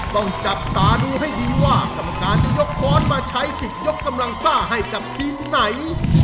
ต้องจับตาดูให้ดีว่ากรรมการจะยกค้อนมาใช้สิทธิ์ยกกำลังซ่าให้กับทีมไหน